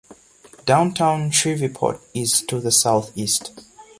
Downtown Shreveport is to the southeast.